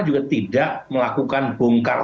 juga tidak melakukan bongkar